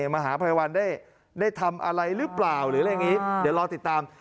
มหาภัยวันได้ทำอะไรหรือเปล่าหรืออะไรอย่างนี้เดี๋ยวรอติดตาม